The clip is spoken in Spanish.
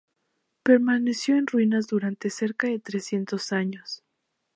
Permaneció en ruinas durante cerca de trescientos años.